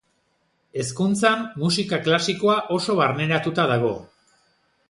Hezkuntzan, musika klasikoa oso barneratuta dago.